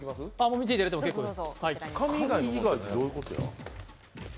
見ていただいても結構です。